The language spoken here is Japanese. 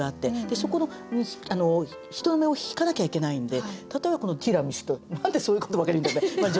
そこに人目を引かなきゃいけないんで例えば「ティラミス」と何でそういうことばかり言うんだろうね。